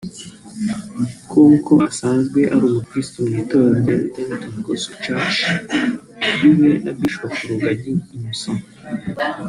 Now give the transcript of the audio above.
com ko asanzwe ari umukristo mu itorero Redeemed Gospel church rikuriwe na Bishop Rugagi Innocent